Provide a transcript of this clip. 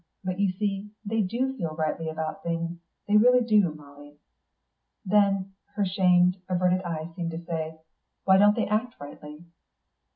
But you see, they do feel rightly about things; they really do, Molly." "Then," her shamed, averted eyes seemed to say, "why don't they act rightly?"